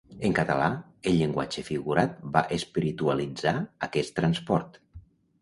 En català, el llenguatge figurat va espiritualitzar aquest transport.